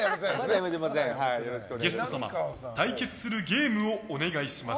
ゲスト様、対決するゲームをお願いします。